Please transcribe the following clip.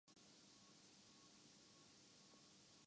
شکل اور نام میں دونوں ایک دوسرے سے ملتے جلتے ہیں